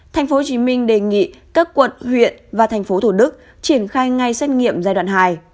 thành phố hồ chí minh đề nghị các quận huyện và thành phố thổ đức triển khai ngay xét nghiệm giai đoạn hai